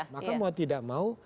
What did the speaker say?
maka mau tidak mau